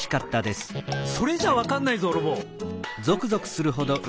「それじゃわかんないぞロボ」。